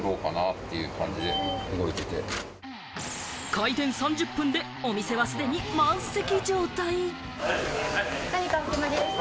開店３０分で、お店は既に満席状態。